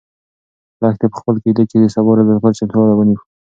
لښتې په خپلې کيږدۍ کې د سبا ورځې لپاره چمتووالی ونیو.